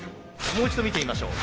もう一度見てみましょう。